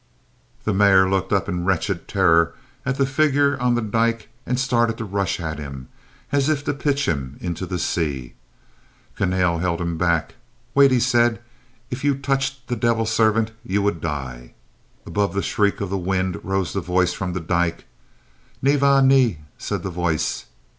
The Mayor looked up in wretched terror at the figure on the dyke and started to rush at him as if to pitch him into the sea. Kahnale held him back. "Wait," he said. "If you touched the devil servant you would die." Above the shriek of the wind rose the voice from the dyke. "Nevaeh ni," said the voice.